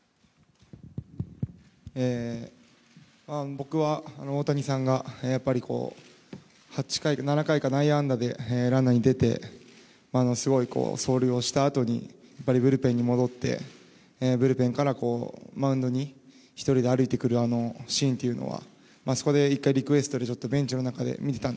僕は大谷さんがやっぱり８回、７回か内野安打でランナーに出て、すごい走塁をしたあとにブルペンに戻って、ブルペンからマウンドに１人で歩いてくるあのシーンというのは。